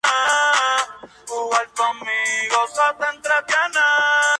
La concha de esta especie de gasterópodo es pesada y de forma cónica.